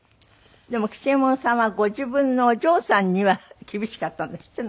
でも吉右衛門さんはご自分のお嬢さんには厳しかったんですって？